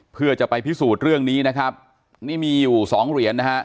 เพื่อจะไปพิสูจน์เรื่องนี้นะครับนี่มีอยู่สองเหรียญนะฮะ